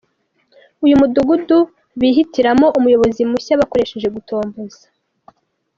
uyu mudugudu bihitiramo umuyobozi mushya bakoresheje gutomboza.